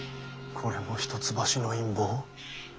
これも一橋の陰謀。